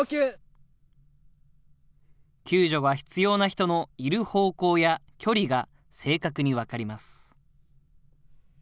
救助が必要な人のいる方向や距離が正確に分かります。